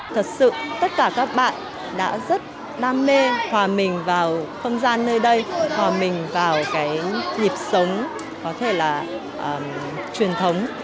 thật sự tất cả các bạn đã rất đam mê hòa mình vào không gian nơi đây hòa mình vào cái nhịp sống có thể là truyền thống